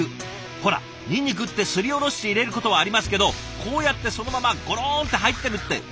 ほらニンニクってすりおろして入れることはありますけどこうやってそのままゴロンって入ってるって珍しくないですか？